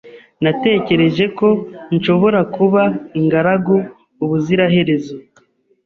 Natekereje ko nshobora kuba ingaragu ubuziraherezo